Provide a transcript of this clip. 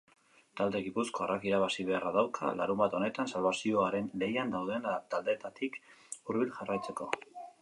Talde gipuzkoarrak irabazi beharra dauka larunbat honetan salbazioaren lehian dauden taldeetatik hurbil jarraitzeko.